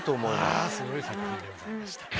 すごい作品でございました。